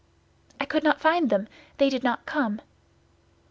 "I could not find them; they did not come."